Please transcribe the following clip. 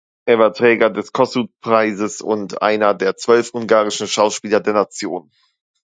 Er war Träger des Kossuth-Preises und einer der zwölf ungarischen Schauspieler der Nation.